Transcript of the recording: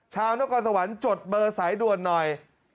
ชาวนครสวรรค์จดเบอร์สายด่วนหน่อย